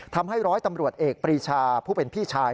ทำให้ร้อยตำรวจเอกปรีชาผู้เป็นพี่ชาย